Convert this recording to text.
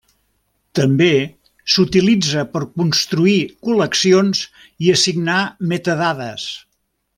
També s'utilitza per construir col·leccions i assignar metadades.